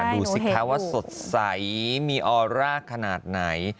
ดูสิคะว่าสดใสมีออร่าขนาดไหน